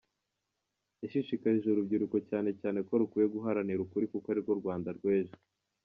Yashishikarije urubyiruko cyane cyane ko rukwiye guharanira ukuri kuko arirwo Rwanda rw’ejo.